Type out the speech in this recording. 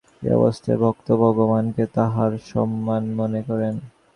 এ-অবস্থায় ভক্ত ভগবানকে তাঁহার সমান মনে করেন।